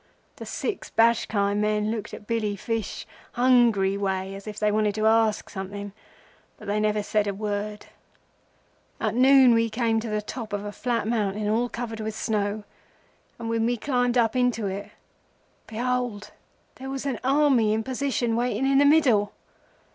The six Bashkai men looked at Billy Fish hungry wise as if they wanted to ask something, but they said never a word. At noon we came to the top of a flat mountain all covered with snow, and when we climbed up into it, behold, there was an army in position waiting in the middle!